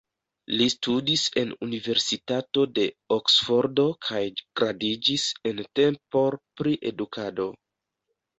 Li studis en Universitato de Oksfordo kaj gradiĝis en Temple pri edukado.